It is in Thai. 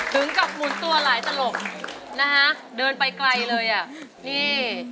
ถึงกับหมุนตัวหลายตลกนะฮะเดินไปไกลเลยอ่ะนี่